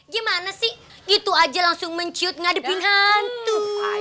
gimana sih gitu aja langsung menciut ngadepin hantu